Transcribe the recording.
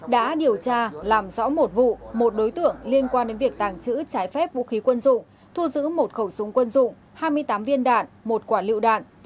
đã điều tra làm rõ một vụ một đối tượng liên quan đến việc tàng trữ trái phép vũ khí quân dụng thu giữ một khẩu súng quân dụng hai mươi tám viên đạn một quả lựu đạn